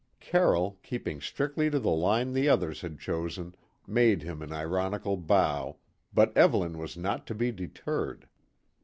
Carroll, keeping strictly to the line the others had chosen, made him an ironical bow, but Evelyn was not to be deterred.